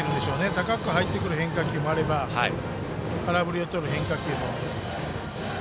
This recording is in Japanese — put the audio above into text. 高く入ってくる変化球もあれば空振りをとる変化球も。